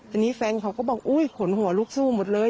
ทีนี้แฟนเขาก็บอกอุ๊ยขนหัวลุกสู้หมดเลย